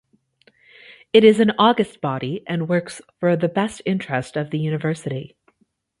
It is an august body and works for the best interest of the University.